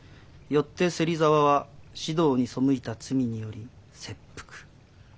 よって芹沢は士道に背いた罪により切腹。